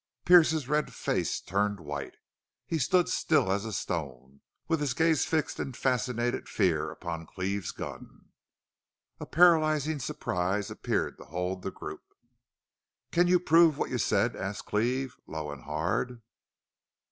Pearce's red face turned white. He stood still as a stone, with his gaze fixed in fascinated fear upon Cleve's gun. A paralyzing surprise appeared to hold the group. "Can you prove what you said?" asked Cleve, low and hard.